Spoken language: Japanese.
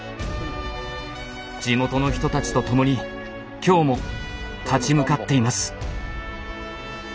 地元の人たちと共に今日も立ち向かっています。